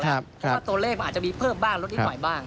ถ้าตัวเลขมันอาจจะมีเพิ่มบ้างลดอิ่งหน่อยบ้าง